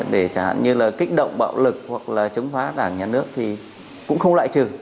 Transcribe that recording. để chẳng hạn như là kích động bạo lực hoặc là chống phá đảng nhà nước thì cũng không loại trừ